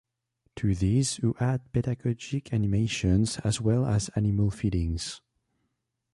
To these who add pedagogic animations as well as animal feedings.